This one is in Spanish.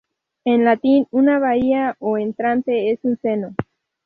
En latín, una bahía o entrante es un seno.